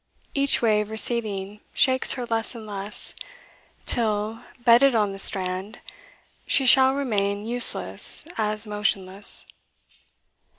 Each wave receding shakes her less and less, Till, bedded on the strand, she shall remain Useless as motionless.